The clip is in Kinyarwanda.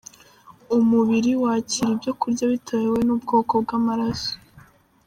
Umubiri wakira ibyo kurya bitewe n’ubwoko bw’amaraso